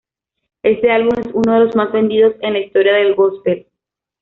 Éste álbum es uno de los más vendidos en la historia del gospel.